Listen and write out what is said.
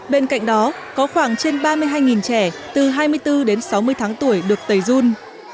bên cạnh đó có khoảng trên ba mươi hai trẻ từ hai mươi bốn đến sáu mươi tháng tuổi được tẩy dun